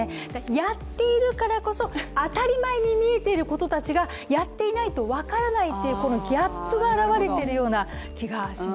やっているからこそ当たり前に見えていることたちがやっていないと分からないというギャップが現れているような気がします。